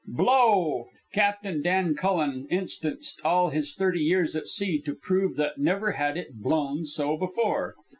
Blow! Captain Dan Cullen instanced all his thirty years at sea to prove that never had it blown so before.